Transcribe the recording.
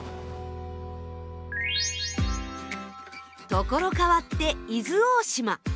所変わって伊豆大島。